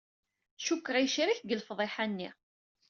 Cukkeɣ yecrek deg lefḍiḥa-nni.